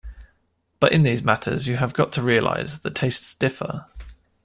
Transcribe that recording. But in these matters you have got to realize that tastes differ.